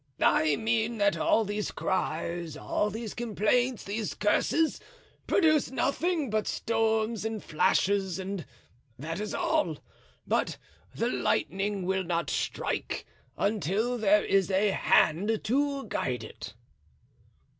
"I mean that all these cries, all these complaints, these curses, produce nothing but storms and flashes and that is all; but the lightning will not strike until there is a hand to guide it."